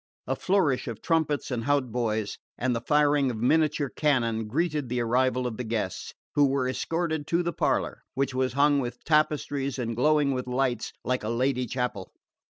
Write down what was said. A flourish of trumpets and hautboys, and the firing of miniature cannon, greeted the arrival of the guests, who were escorted to the parlour, which was hung with tapestries and glowing with lights like a Lady Chapel.